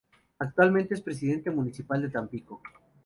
Actualmente es Presidente Municipal de Tampico.